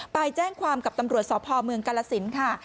ไปแจ้งความกับตำรวจสอบภอมเมืองกละศิลป์ค่ะ